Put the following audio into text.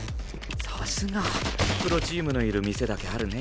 さすがプロチームのいる店だけあるね。